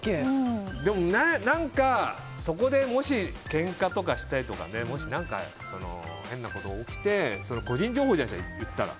でも、そこでもしけんかとかしたりとかもし何か変なことが起きて個人情報じゃないですか言ったら。